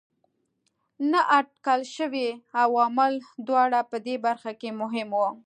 نااټکل شوي عوامل دواړه په دې برخه کې مهم وو.